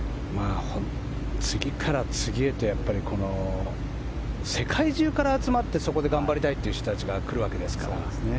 次から次へと世界中から集まってそこで頑張りたいという人たちが来るわけですから。